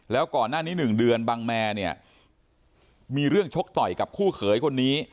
แล้วก่อนหน้านี้๑เดือนบังแมเนี่ยมีเรื่องชกต่อยกับคู่เขยคนนี้